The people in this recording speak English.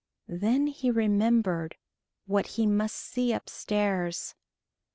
then he remembered what he must see upstairs!